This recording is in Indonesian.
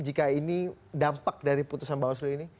jika ini dampak dari putusan bawaslu ini